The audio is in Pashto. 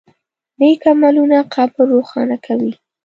نیک عملونه قبر روښانه کوي.